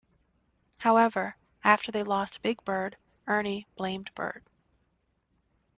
However, after they lost Big Bird, Ernie blamed Bert.